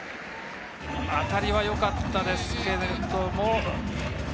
当たりはよかったですけれども。